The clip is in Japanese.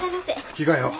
着替えを。